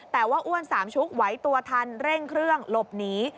แต่ว่าอ้วนสามชุกไหวตัวทันเร่งเครื่องหลบหนี